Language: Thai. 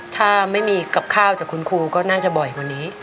ถ้าไม่มีกับข้าวจากคุณครูก็น่าจะบ่อยกว่านี้